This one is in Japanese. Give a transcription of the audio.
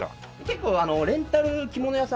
結構レンタル着物屋さんが多いので。